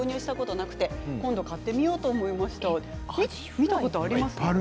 見たことありますか？